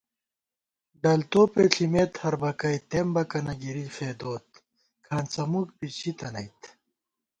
ڈل توپےݪِمېت ہربَکَئ تېمبَکَنہ گِرِی فېدوت کھانڅہ مُک بی ژِتَنَئیت